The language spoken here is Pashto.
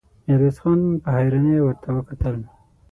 ميرويس خان په حيرانۍ ورته وکتل.